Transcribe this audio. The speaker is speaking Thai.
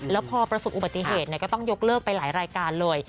แล้วพอประสบอุบัติเหตุก็ต้องยกเลิกไปหลายรายการเลย